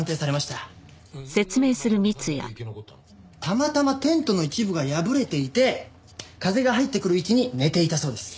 たまたまテントの一部が破れていて風が入ってくる位置に寝ていたそうです。